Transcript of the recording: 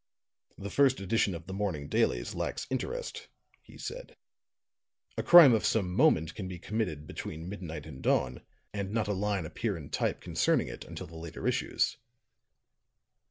"The first edition of the morning dailies lacks interest," he said. "A crime of some moment can be committed between midnight and dawn, and not a line appear in type concerning it until the later issues."